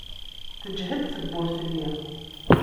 Tejhed tewwurt-nni.